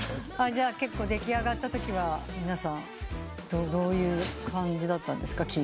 じゃあ結構出来上がったときは皆さんどういう感じだったんですか？